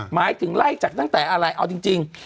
หมายถึงไล่จากตั้งแต่อะไรเอาจริง